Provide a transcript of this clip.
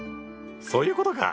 そういうことか！